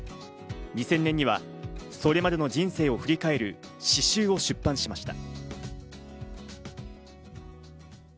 ２０００年にはそれまでの人生を振り返る詩集を出版しました。